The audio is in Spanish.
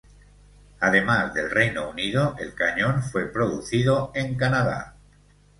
Además del Reino Unido, el cañón fue producido en Canadá.